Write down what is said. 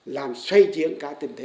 làm xoay chiến cả tình thần